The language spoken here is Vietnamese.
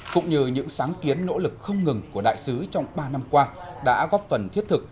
cũng như những sáng kiến nỗ lực không ngừng của đại sứ trong ba năm qua đã góp phần thiết thực